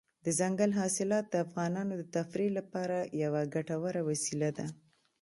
دځنګل حاصلات د افغانانو د تفریح لپاره یوه ګټوره وسیله ده.